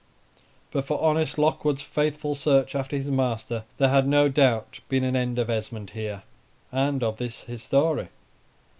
But for honest Lockwood's faithful search after his master, there had no doubt been an end of Esmond here, and of this his story.